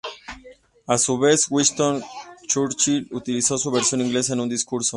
A su vez, Winston Churchill utilizó su versión inglesa en un discurso.